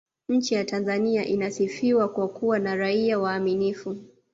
nchi ya tanzania inasifika kwa kuwa na raia waaminifu